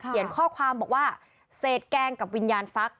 ข้อความบอกว่าเศษแกงกับวิญญาณฟัก